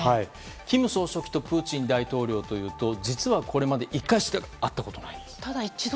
金総書記とプーチン大統領というと実はこれまで１回しか会ったことがないんです。